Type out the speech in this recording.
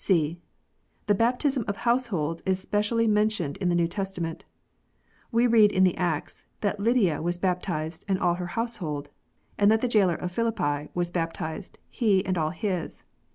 (c) The baptism of households is specially mentioned in the New Testament. We read in the Acts that Lydia was bap tized u and her household," and that the jailer of Philippi "was baptized: he and all his."